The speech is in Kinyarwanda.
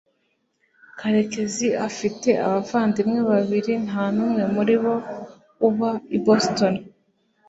karekezi afite abavandimwe babiri nta n'umwe muri bo uba i boston